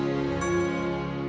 aku pilih siapa